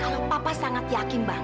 kalau papa sangat yakin mbak